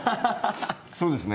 そうですね。